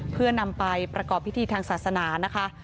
เพื่อนำไปประกอบพิธีทางศาสนานะคะ